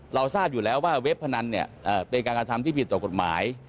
เราทราบอยู่แล้วว่าเว็บพนันเนี่ยเป็นการกระทำที่ผิดต่อกฎหมาย